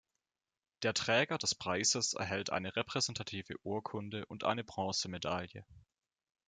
Der Träger des Preises erhält eine repräsentative Urkunde und eine Bronzemedaille.